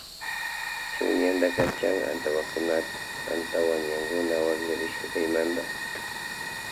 Shun ñanta kachan antawakunata antawañankuna waklirishka kaymanta.